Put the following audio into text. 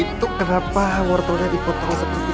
itu kenapa wortelnya dipotong seperti itu